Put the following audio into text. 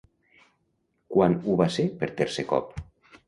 Quan ho va ser per tercer cop?